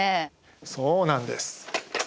そうなんです。